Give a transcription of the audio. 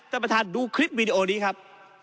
ท่านประธานดูคลิปวีดีโอนี้ครับ